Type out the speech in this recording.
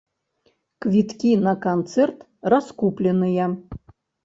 Квіткі на канцэрт раскупленыя.